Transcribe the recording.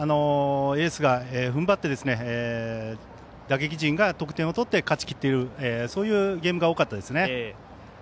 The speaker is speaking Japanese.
エースが踏ん張って打撃陣が得点を取って勝ち切っているゲームが多かったですね。